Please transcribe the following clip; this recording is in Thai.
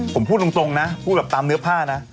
ผมพูดตรงนะพูดแบบตามเนื้อผ้านะ